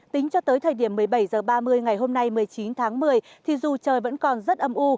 tính cho tới thời điểm một mươi bảy h ba mươi ngày hôm nay một mươi chín tháng một mươi thì dù trời vẫn còn rất âm u